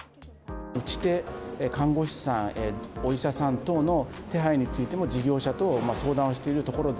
打ち手、看護師さん、お医者さん等の手配についても事業者と相談しているところで。